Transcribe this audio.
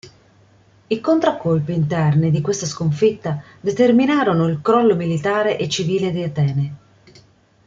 I contraccolpi interni di questa sconfitta determinarono il crollo militare e civile di Atene.